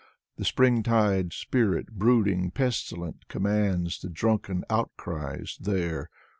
The Springtide spirit, brooding, pestilent, Commands the drunken outcries there.